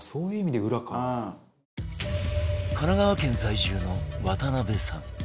神奈川県在住の渡邊さん